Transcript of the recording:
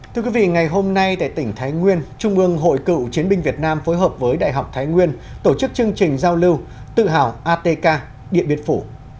thưa quý vị ngày hôm nay tại tỉnh thái nguyên trung ương hội cựu chiến binh việt nam phối hợp với đại học thái nguyên tổ chức chương trình giao lưu tự hào atk điện biên phủ